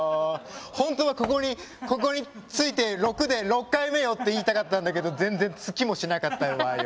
本当はここについて「６」で６回目よって言いたかったんだけど全然つきもしなかったわよ！